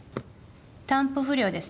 担保不良ですね。